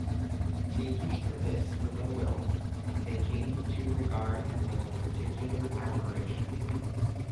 Taking to this with a will, they came to regard him with particular admiration.